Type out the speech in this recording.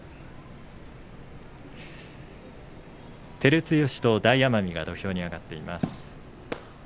照強と大奄美が土俵に上がっています。